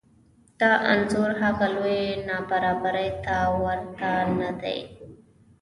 دا انځور هغه لویې نابرابرۍ ته ورته نه دی